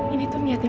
ini tuh niatnya